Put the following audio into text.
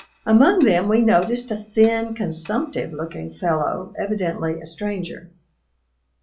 Among them we noticed a thin, consumptive looking fellow, evidently a stranger.